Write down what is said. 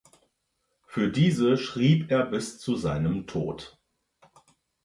Für diese schrieb er bis zu seinem Tod.